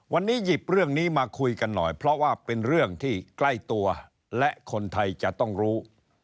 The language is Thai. วันนี้หยิบเรื่องนี้มาคุยกันหน่อยเพราะว่าเป็นเรื่องที่ใกล้ตัวและคนไทยจะต้องรู้